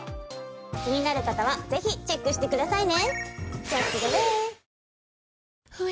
気になる方はぜひチェックしてくださいね。